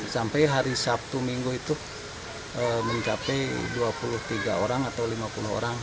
sampai hari sabtu minggu itu mencapai dua puluh tiga orang atau lima puluh orang